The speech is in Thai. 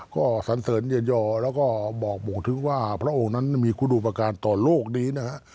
ก็สันเติร์นเย็นเยาว์แล้วก็บอกถึงว่าพระองค์นั้นมีฆุดุวประการต่อโลกนี้นะครับ